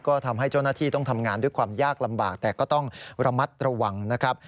ก็ทำให้เจ้าหน้าที่ต้องทำงานด้วยความยากลำบากแต่ก็ต้องระมัดระวังนะครับ